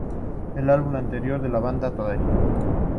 El álbum anterior de la banda, "Today!